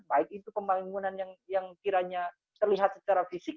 baik itu pembangunan yang kiranya terlihat secara fisik